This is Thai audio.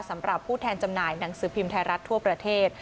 สำหรับผู้แทนจำหน่ายหนังสือพิมพ์ไทยรัฐทั่วประเทศ